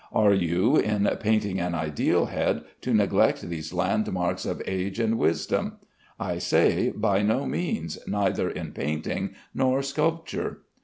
Are you, in painting an ideal head, to neglect these landmarks of age and wisdom? I say, by no means, neither in painting nor sculpture.